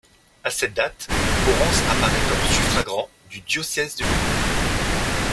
À cette date, Orense apparaît comme suffragant du diocèse de Lugo.